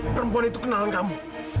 perempuan itu kenalan kamu